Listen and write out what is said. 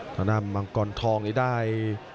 ตอนนั้นมังกรทองได้